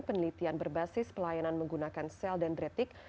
penelitian berbasis pelayanan menggunakan sel dendretik